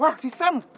wah si sam